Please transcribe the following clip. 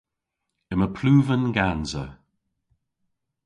Yma pluven gansa.